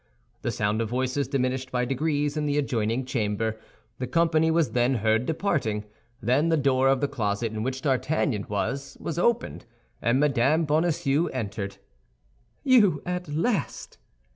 The sound of voices diminished by degrees in the adjoining chamber. The company was then heard departing; then the door of the closet in which D'Artagnan was, was opened, and Mme. Bonacieux entered. "You at last?"